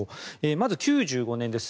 まず、９５年です。